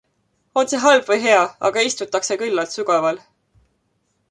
On see halb või hea, aga istutakse küllalt sügaval.